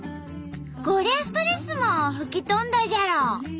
こりゃあストレスも吹き飛んだじゃろ？